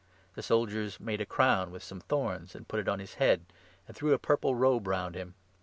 The soldiers made a 1,2 crown with some thorns and put it on his head and threw a purple robe round him.